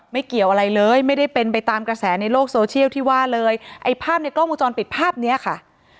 ไม่ได้เป็นไปตามกระแสในโลกโซเชี่ยลภาพในกล้องมุมจรปิดนี้ค่ะ